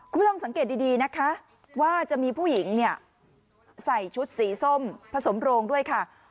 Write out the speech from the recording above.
คุณผู้ชมสังเกตดีนะคะว่าจะมีผู้หญิงเนี่ยใส่ชุดสีส้มผสมโรงด้วยค่ะ